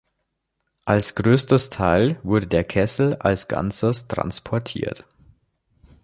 Als größtes Teil wurde der Kessel als Ganzes transportiert.